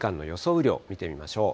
雨量、見てみましょう。